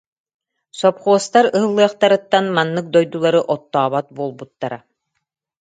Сопхуос- тар ыһыллыахтарыттан маннык дойдулары оттообот буолбуттара